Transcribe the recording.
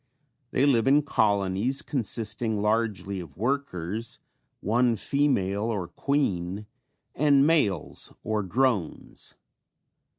They live in colonies consisting largely of workers, one female or queen and males or drones.